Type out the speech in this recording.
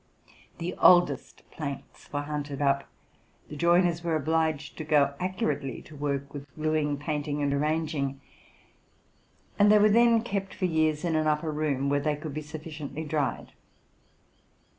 The oldest planks were hunted up, the joiners were obliged to go accurately to work with gluing, painting, and arranging ; and they were then kept for years in an upper room, where they could be sufficiently dried.